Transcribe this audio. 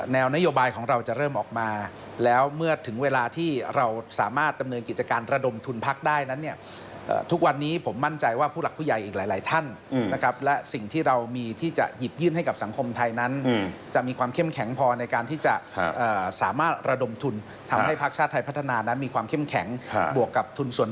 นโยบายของเราจะเริ่มออกมาแล้วเมื่อถึงเวลาที่เราสามารถดำเนินกิจการระดมทุนพักได้นั้นเนี่ยทุกวันนี้ผมมั่นใจว่าผู้หลักผู้ใหญ่อีกหลายท่านนะครับและสิ่งที่เรามีที่จะหยิบยื่นให้กับสังคมไทยนั้นจะมีความเข้มแข็งพอในการที่จะสามารถระดมทุนทำให้ภาคชาติไทยพัฒนานั้นมีความเข้มแข็งบวกกับทุนส่วน